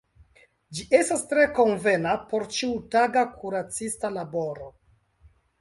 Ĝi estas tre konvena por ĉiutaga kuracista laboro.